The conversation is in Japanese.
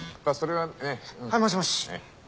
はいもしもし。